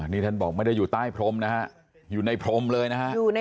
นี่ท่านบอกไม่ได้อยู่ใต้พรมนะฮะอยู่ในพรมเลยนะฮะ